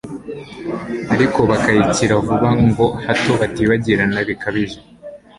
ariko bakayikira vuba, ngo hato batibagirana bikabije